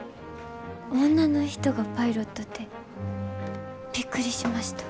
女の人がパイロットってびっくりしました。